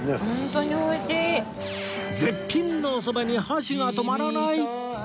絶品のおそばに箸が止まらない！